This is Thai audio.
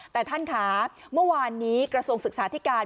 แต่ท่านค่ะเมื่อวานนี้กระทรวงศึกษาธิการ